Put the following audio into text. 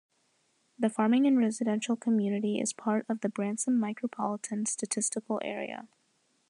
The farming and residential community is part of the Branson Micropolitan Statistical Area.